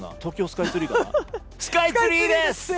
スカイツリーです！